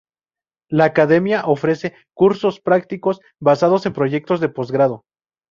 La Academia ofrece, cursos prácticos, basados en proyectos de postgrado.